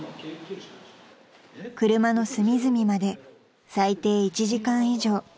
［車の隅々まで最低１時間以上］